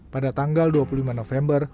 pada tanggal dua puluh lima november